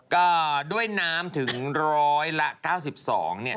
ก็ด้วยน้ำถึงร้อยละ๙๒เนี่ย